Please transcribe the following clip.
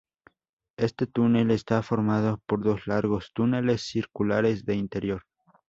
Este túnel está formado por dos largos túneles circulares de interior.